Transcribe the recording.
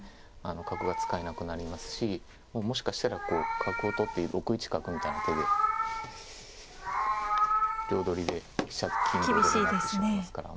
角が使えなくなりますしもしかしたらこう角を取って６一角みたいな手で両取りで飛車と金両取りになってしまいますから。